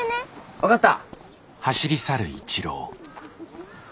分かった。